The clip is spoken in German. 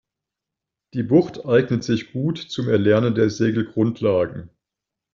Die Bucht eignet sich gut zum Erlernen der Segelgrundlagen.